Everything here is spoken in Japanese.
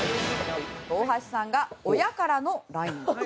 大橋さんが親からのＬＩＮＥと。